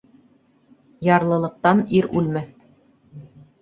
Ярлылыҡтан ир үлмәҫ.